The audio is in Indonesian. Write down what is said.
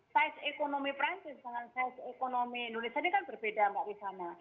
jadi size ekonomi perancis dengan size ekonomi indonesia ini kan berbeda mbak rivana